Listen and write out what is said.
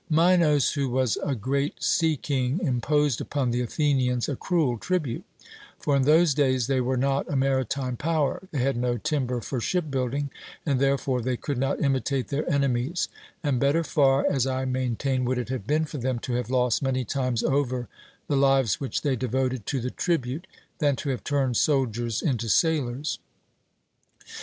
Minos, who was a great sea king, imposed upon the Athenians a cruel tribute, for in those days they were not a maritime power; they had no timber for ship building, and therefore they could not 'imitate their enemies'; and better far, as I maintain, would it have been for them to have lost many times over the lives which they devoted to the tribute than to have turned soldiers into sailors.